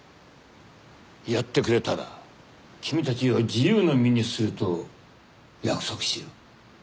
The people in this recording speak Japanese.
やってくれたら君たちを自由の身にすると約束しよう。